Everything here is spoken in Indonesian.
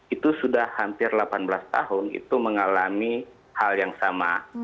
itu sudah hampir delapan belas tahun itu mengalami hal yang sama